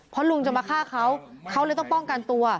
เพราะลุงจะมาฆ่าเขาเขาเลยต้องป้องกันตัว